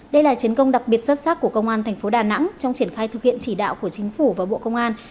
đây là chiến công đặc biệt xuất sắc của công an thành phố đà nẵng trong triển khai thực hiện chỉ đạo của chính phủ và bộ công an